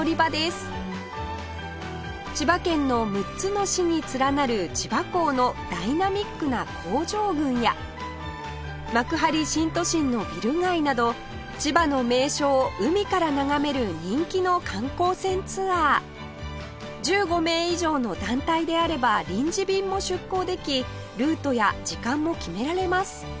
千葉県の３つの市に連なる千葉港のダイナミックな工場群や幕張新都心のビル街など千葉の名所を海から眺める人気の観光船ツアー１５名以上の団体であれば臨時便も出航できルートや時間も決められます